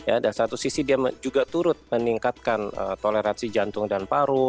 ya dan satu sisi dia juga turut meningkatkan toleransi jantung dan paru